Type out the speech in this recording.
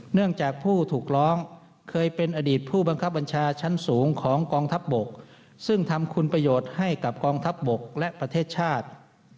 เนื่องจากผู้ถูกร้องเคยเป็นอดีตผู้บังคับบัญชาชั้นสูงของกองทัพบกซึ่งทำคุณประโยชน์ให้กับกองทัพบกและประเทศชาติ